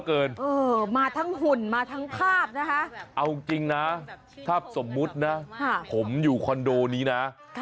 เอาจริงนะถ้าสมมตินะผมอยู่คอนโดนี้นะ